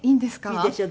いいですよ